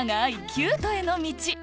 キュートへの道